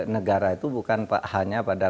negara itu bukan hanya pada